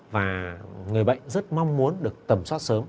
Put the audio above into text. và người bệnh rất mong muốn được tầm soát sớm